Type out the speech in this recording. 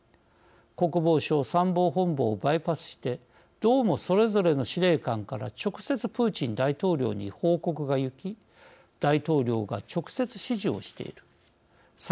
国防省、参謀本部をバイパスしてどうも、それぞれの司令官から直接プーチン大統領に報告がゆき大統領が直接指示をしている。